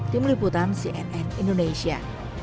tim liputan cnn indonesia